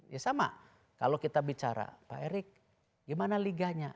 ya sama kalau kita bicara pak erick gimana liganya